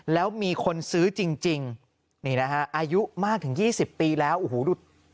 แล้วมีคนซื้อจริงนี่นะฮะอายุมากถึง๒๐ปีแล้วโอ้โหดู